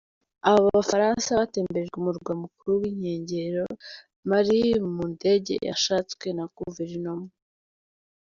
Aba bafaransa batemberejwe Umurwa Mukuru n’inkengero bari mu ndege yashatswe na guverinoma.